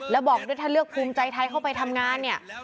แล้วบอกด้วยถ้าเลือกภูมิใจไทยเข้าไปทำงานเนี่ย